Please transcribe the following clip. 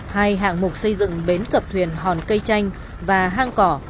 hai hạng mục xây dựng bến cập thuyền hòn cây chanh và hang cỏ